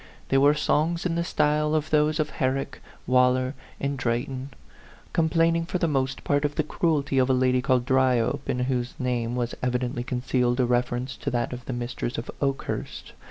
They were songs in the style of those of Herrick, Waller, and Drayton, complaining for the most part of the cruelty of a lady called Dry ope, in whose name was evidently concealed A PHANTOM LOVER. 61 a reference to that of the mistress of Oke hurst.